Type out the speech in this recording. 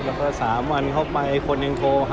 แล้วก็สามวันเข้าไปคนยังโกหะ